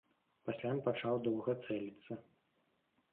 Пасля ён пачаў доўга цэліцца.